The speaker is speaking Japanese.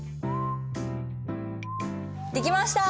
できました！